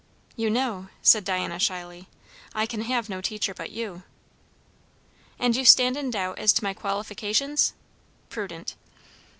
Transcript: "You know," said Diana shyly, "I can have no teacher but you." "And you stand in doubt as to my qualifications? Prudent!"